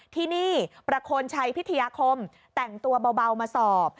ที่นี่ประโคนชัยพิทยาคมแต่งตัวเบามาสอบ